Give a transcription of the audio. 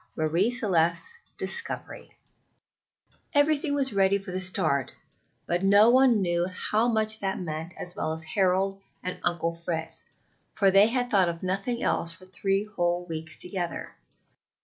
MARIE CELESTE'S DISCOVERY. [Illustration: 9169] Everything was ready for the start, but no one knew how much that meant as well as Harold and Uncle Fritz, for they had thought of nothing else for three whole weeks together.